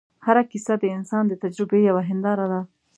هره کیسه د انسان د تجربې یوه هنداره ده.